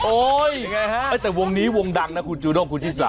โอ๊ยแต่วงนี้วงดังนะคุณจูด้องคุณศีรษะ